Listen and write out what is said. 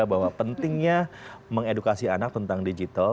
bahwa pentingnya mengedukasi anak tentang digital